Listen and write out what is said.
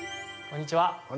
こんにちは